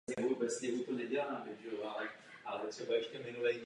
Na rozdíl od dalších umělců se mu podařilo dosáhnout očištění již po dvou letech.